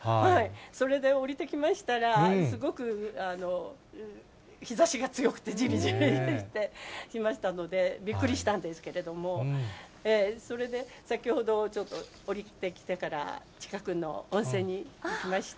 それで下りてきましたら、すごく日ざしが強くて、じりじりしましたので、びっくりしたんですけれども、それで、先ほどちょっと下りてきてから、近くの温泉に行きまして。